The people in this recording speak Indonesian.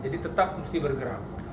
jadi tetap mesti bergerak